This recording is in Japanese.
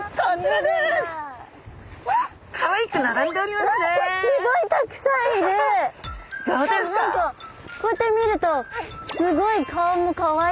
でも何かこうやって見るとすごい顔もかわいいですね。